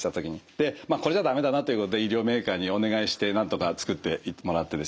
でこれじゃ駄目だなということで医療メーカーにお願いしてなんとか作ってもらってですね。